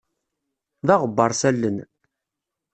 D aɣebbaṛ s allen.